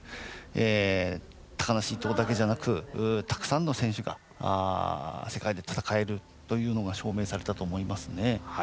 高梨、伊藤だけじゃなくたくさんの選手が世界で戦えるというのが証明されたと思いますね。